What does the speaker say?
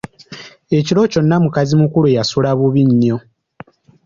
Ekiro kyonna mukazi mukulu yasula bubi nnyo.